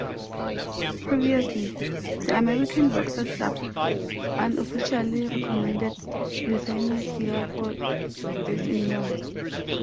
Previously, the American Boxer Club unofficially recommended euthanasia for these animals.